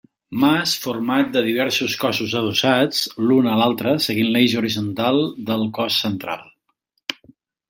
Mas format de diversos cossos adossats l'un a l'altre seguint l'eix horitzontal del cos central.